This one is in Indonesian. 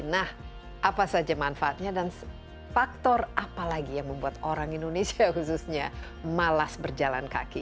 nah apa saja manfaatnya dan faktor apa lagi yang membuat orang indonesia khususnya malas berjalan kaki